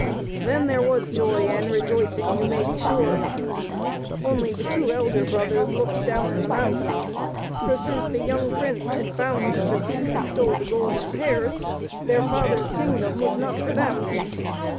Then there was joy and rejoicing, you may be sure ! only the two elder brothers looked down in the mouth, for since the young prince had found the thief who stole the golden pears, their father's king dom was not for them.